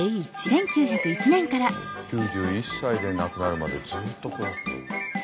９１歳で亡くなるまでずっとここだった。